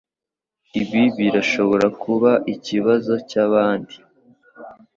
Ibi birashobora kuba ikibazo cyabandi